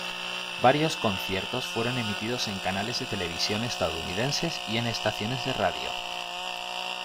Varios conciertos fueron emitidos en canales de televisión estadounidenses y en estaciones de radio.